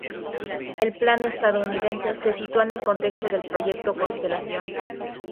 El plan estadounidense se sitúa en el contexto del Proyecto Constelación.